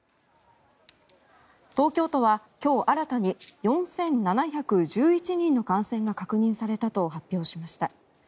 東京都は今日新たに４７１１人の感染が確認されたと発表しました。